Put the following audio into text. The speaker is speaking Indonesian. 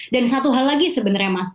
dan satu hal lagi sebenarnya mas